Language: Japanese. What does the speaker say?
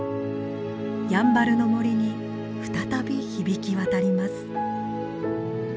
やんばるの森に再び響き渡ります。